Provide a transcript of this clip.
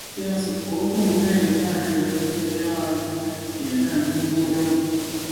第二次国共内战时期在第二野战军作战。